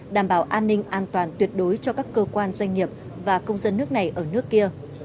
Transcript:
đảm bảo an ninh an toàn tuyệt đối cho các cơ quan doanh nghiệp và công dân nước này ở nước kia